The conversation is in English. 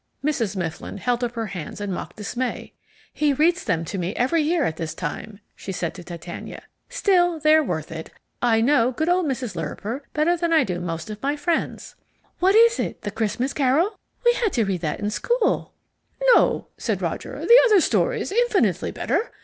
Mrs. Mifflin held up her hands in mock dismay. "He reads them to me every year at this time," she said to Titania. "Still, they're worth it. I know good old Mrs. Lirriper better than I do most of my friends." "What is it, the Christmas Carol?" said Titania. "We had to read that in school." "No," said Roger; "the other stories, infinitely better.